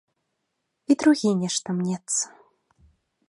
І другі нешта мнецца.